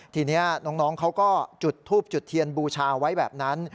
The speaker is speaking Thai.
ทีนี้น้องเขาก็จุดทูบจุดเทียนบูชาไว้แบบนั้น